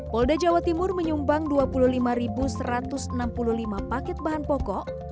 polda jawa timur menyumbang dua puluh lima satu ratus enam puluh lima paket bahan pokok